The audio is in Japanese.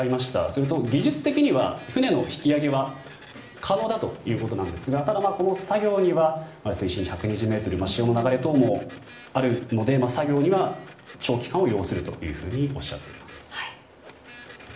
すると、技術的には船の引き揚げは可能だということなんですがただ、この作業には水深１２０ｍ潮の流れ等もあるので作業には長期間を要するというふうにおっしゃっています。